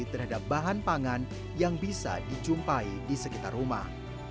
terhadap bahan pangan yang bisa dijumpai di sekitar rumah